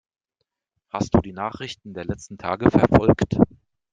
Hast du die Nachrichten der letzten Tage verfolgt?